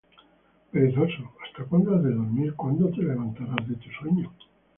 Perezoso, ¿hasta cuándo has de dormir? ¿Cuándo te levantarás de tu sueño?